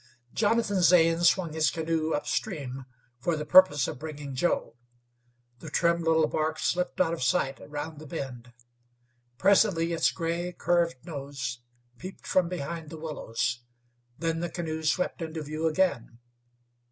Jonathan Zane swung his canoe up stream for the purpose of bringing Joe. The trim little bark slipped out of sight round the bend. Presently its gray, curved nose peeped from behind the willows; then the canoe swept into view again.